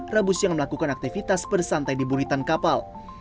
rebus yang melakukan aktivitas bersantai di buritan kapal